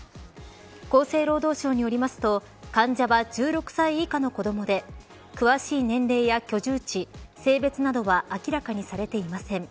厚生労働省によりますと患者は１６歳以下の子どもで詳しい年齢や居住地性別などは明らかにされていません。